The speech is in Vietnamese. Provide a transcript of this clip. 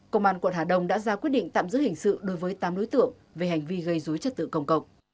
công an quận hà đông đã ra quyết định tạm giữ hình sự đối với tám đối tượng về hành vi gây dối trật tự công cộng